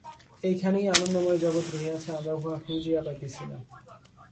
এইখানেই আনন্দময় জগৎ রহিয়াছে, আমরা উহা খুঁজিয়া পাইতেছি না।